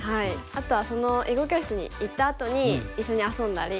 あとは囲碁教室に行ったあとに一緒に遊んだり。